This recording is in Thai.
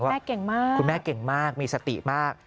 แม่เก่งมากคุณแม่เก่งมากมีสติมาก